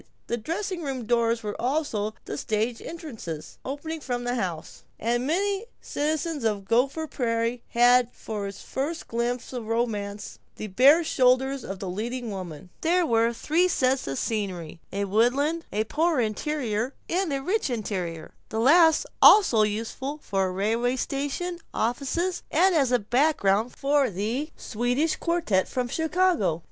The dressing room doors were also the stage entrances, opening from the house, and many a citizen of Gopher Prairie had for his first glimpse of romance the bare shoulders of the leading woman. There were three sets of scenery: a woodland, a Poor Interior, and a Rich Interior, the last also useful for railway stations, offices, and as a background for the Swedish Quartette from Chicago.